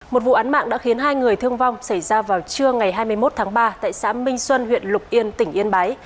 một vụ án mạng đã khiến hai người thương vong xảy ra vào trưa ngày hai mươi một tháng ba tại xã minh xuân huyện lục yên tỉnh yên bái